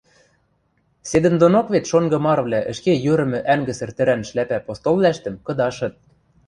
Седӹндонок вет шонгы марывлӓ ӹшке йӧрӹмӹ ӓнгӹсӹр тӹрӓн шляпӓ постолвлӓштӹм кыдашыт.